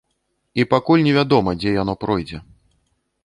І пакуль не вядома, дзе яно пройдзе.